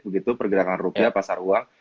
begitu pergerakan rupiah pasar uang